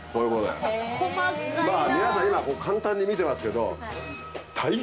まぁ皆さん今簡単に見てますけど。